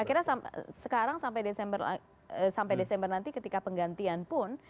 akhirnya sekarang sampai desember nanti ketika penggantian pun